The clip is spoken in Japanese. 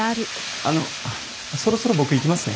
あのそろそろ僕行きますね。